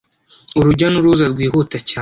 Urujya n'uruza rwihuta cyane.